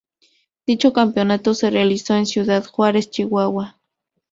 Dicho campeonato se realizó en Ciudad Juárez, Chihuahua.